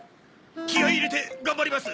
気合入れて頑張ります！